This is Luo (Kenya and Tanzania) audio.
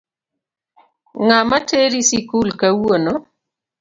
Ng'ama teri sikul kawuono?